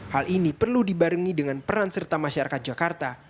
hal ini perlu dibarengi dengan peran serta masyarakat jakarta